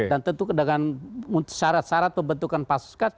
dan tentu dengan syarat syarat pembentukan pansus